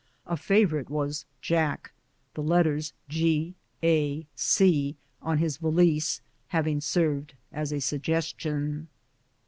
A favorite was " Jack," the letters G. A. C. on his valise having served as a sug gestion.